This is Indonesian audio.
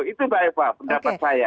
itu mbak eva pendapat saya